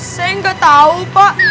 saya nggak tahu pak